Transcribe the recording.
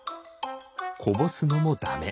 こぼすのもだめ。